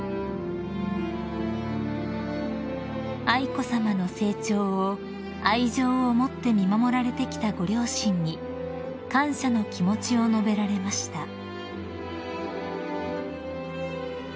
［愛子さまの成長を愛情を持って見守られてきたご両親に感謝の気持ちを述べられました］